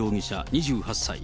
２８歳。